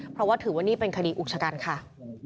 เพราะว่าถือว่านี่เป็นคดีอุกชกันค่ะ